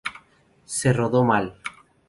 Se rodó mal.